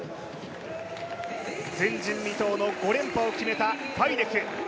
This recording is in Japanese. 前人未到の５連覇を決めたファイデク。